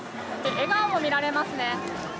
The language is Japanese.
笑顔も見られますね。